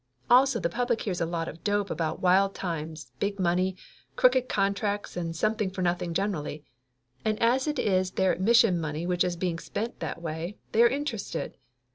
Also the public hears a lot of dope about wild times, big money, crooked con tracts, and something for nothing generally; and as it is their admission money which is being spent that way, they are interested.